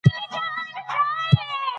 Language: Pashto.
نازرخ